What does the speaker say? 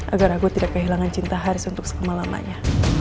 agar aku tidak kehilangan cinta haris untuk skema lamanya